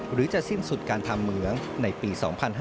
หรือจะสิ้นสุดการทำเหมืองในปี๒๕๕๙